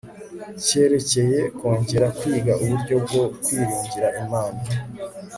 cyerekeye kongera kwiga uburyo bwo kwiringira Imana